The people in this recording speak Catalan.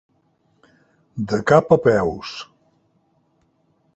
De cap a peus.